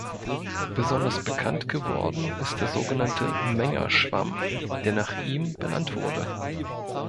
Besonders bekannt geworden ist der sogenannte Menger-Schwamm, der nach ihm benannt wurde.